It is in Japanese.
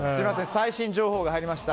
最新情報が入りました。